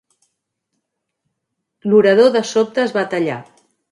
L'orador de sobte es va tallar.